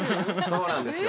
そうなんですよ。